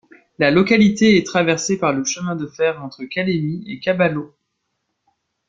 La localité est traversée par le chemin de fer entre Kalemie et Kabalo.